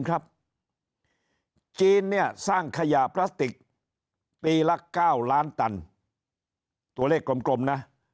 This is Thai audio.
จีนเนี่ยสร้างขยะพลาสติกปีละ๙ล้านตันตัวเลขกลมนะ